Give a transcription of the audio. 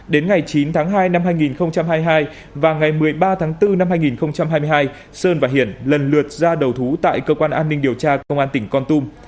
đến ngày chín tháng hai năm hai nghìn hai mươi hai và ngày một mươi ba tháng bốn năm hai nghìn hai mươi hai sơn và hiển lần lượt ra đầu thú tại cơ quan an ninh điều tra công an tỉnh con tum